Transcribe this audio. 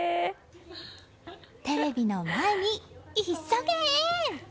テレビの前に急げ！